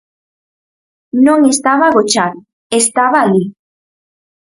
Non estaba agochado, estaba alí.